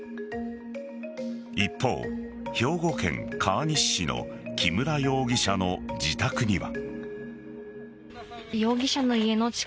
一方、兵庫県川西市の木村容疑者の自宅には。